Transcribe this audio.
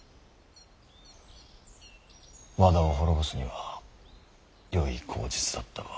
和田を滅ぼすにはよい口実だったが。